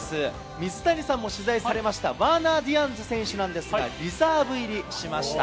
水谷さんも取材されましたワーナー・ディアンズ選手なんですが、リザーブ入りしました。